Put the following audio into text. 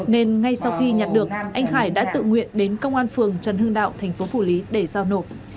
nên ngay sau khi nhặt được anh khải đã tự nguyện đến công an phường trần hưng đạo thành phố phủ lý để giao nộp